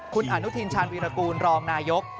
คุณอนุทินชาญวีรกูลรองนายก